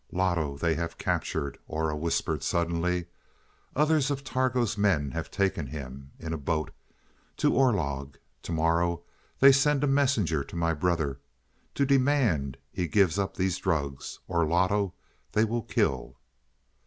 "Loto they have captured," Aura whispered suddenly. "Others of Targo's men have taken him in a boat to Orlog. To morrow they send a messenger to my brother to demand he give up these drugs or Loto they will kill."